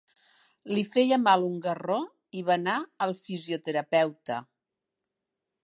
Li feia mal un garró i va anar al fisioterapeuta.